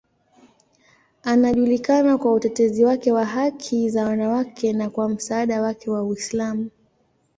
Anajulikana kwa utetezi wake wa haki za wanawake na kwa msaada wake wa Uislamu.